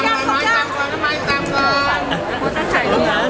ตามมาตามมา